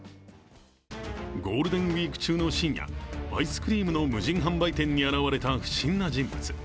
ゴールデンウイーク中の深夜アイスクリームの無人販売店に現れた不審な人物。